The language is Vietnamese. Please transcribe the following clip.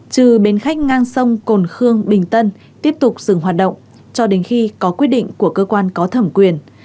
trừ bến khách ngang sông cồn khương bình tân tiếp tục dừng hoạt động cho đến khi có quyết định của cơ quan có thẩm quyền